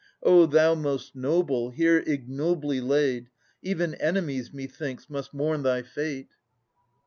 O thou most noble, here ignobly laid. Even enemies methinks must mourn thy fate